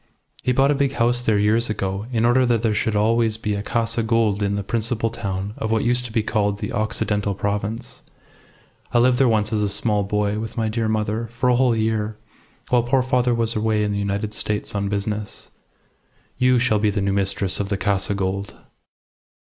He bought a big house there years ago, in order that there should always be a Casa Gould in the principal town of what used to be called the Occidental Province. I lived there once, as a small boy, with my dear mother, for a whole year, while poor father was away in the United States on business. You shall be the new mistress of the Casa Gould."